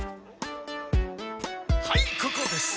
はいここです！